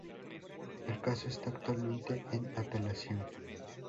El caso está actualmente en apelación.